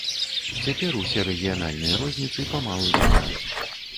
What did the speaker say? Цяпер усе рэгіянальныя розніцы памалу знікаюць.